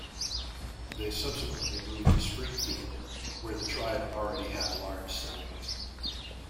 They subsequently moved to Springfield where the tribe already had a large settlement.